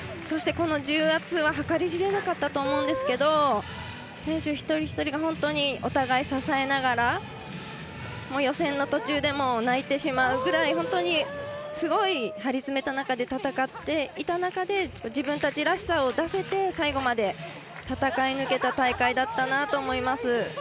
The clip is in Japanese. そして、この重圧は計り知れなかったと思うんですが選手、一人一人が本当にお互い、支えながら予選の途中でも泣いてしまうくらい本当にすごい張り詰めた中で戦っていた中で自分たちらしさを出せて最後まで戦い抜けた大会だったなと思います。